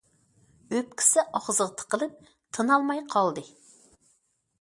ئۆپكىسى ئاغزىغا تىقىلىپ تىنالماي قالدى.